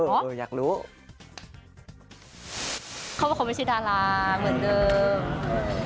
เขาบอกว่าเขาไม่ใช่ดาราเหมือนเดิม